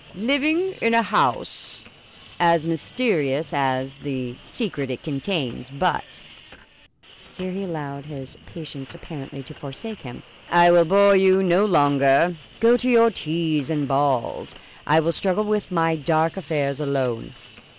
"Living in a house as mysterious as the secret it contains. But " here he allowed his patience apparently to forsake him, "I will bore you no longer. Go to your teas and balls; I will struggle with my dark affairs alone."